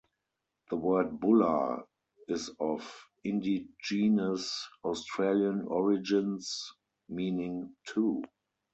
The word Bulla is of indigenous Australian origins meaning 'two'.